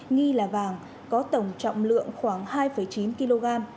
nghi là vàng có tổng trọng lượng khoảng hai chín kg